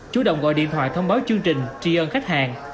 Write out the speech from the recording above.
chủ động gọi điện thoại thông báo chương trình tri ân khách hàng